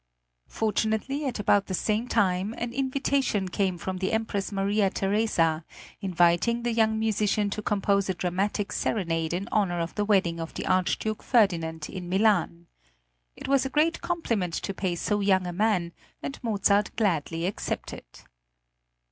Fortunately at about the same time an invitation came from the Empress Maria Theresa inviting the young musician to compose a dramatic serenade in honor of the wedding of the Archduke Ferdinand in Milan. It was a great compliment to pay so young a man, and Mozart gladly accepted.